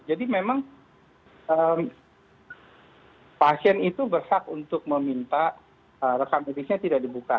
jadi memang pasien itu berhak untuk meminta rekam etiknya tidak dibuka